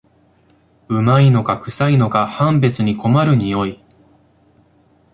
旨いのかくさいのか判別に困る匂い